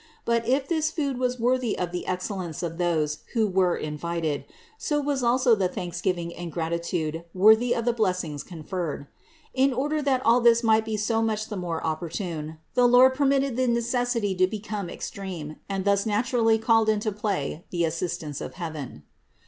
But if this food was worthy of the excellence of those who were invited, so was also the thanksgiving and gratitude worthy of the blessings conferred. In order that all this might be so much the more opportune, the Lord per mitted the necessity to become extreme and thus naturally call into play the assistance of heaven.